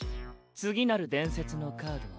次なる伝説のカードは。